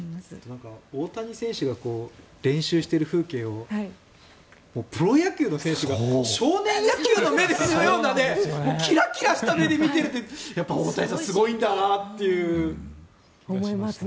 大谷選手が練習している風景をプロ野球の選手が少年野球の目で見るようなキラキラした目で見てるってやっぱり大谷さんすごいんだなという気がしました。